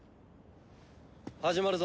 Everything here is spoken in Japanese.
始まるぞ。